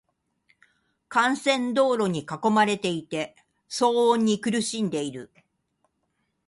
幹線道路に囲まれていて、騒音に苦しんでいる。